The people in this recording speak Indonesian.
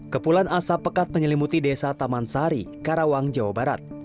kepulan asap pekat menyelimuti desa taman sari karawang jawa barat